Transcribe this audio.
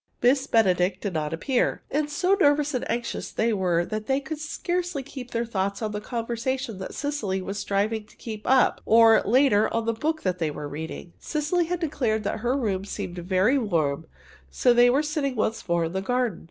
Miss Benedict did not appear, and so nervous and anxious were they that they could scarcely keep their thoughts on the conversation that Cecily was striving to keep up or, later, on the book they were reading. Cecily had declared that her room seemed very warm, so they were sitting once more in the garden.